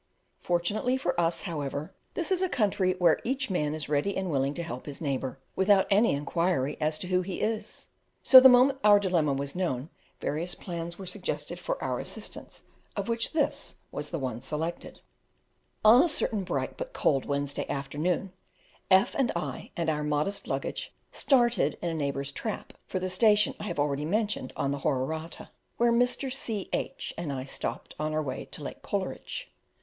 Fortunately for us, however, this is a country where each man is ready and willing to help his neighbour, without any inquiry as to who he is; so the moment our dilemma was known various plans were suggested for our assistance, of which this was the one selected: On a certain bright but cold Wednesday afternoon, F and I and our modest luggage started in a neighbour's "trap" for the station I have already mentioned on the Horarata, where Mr. C. H and I stopped on our way to Lake Coleridge.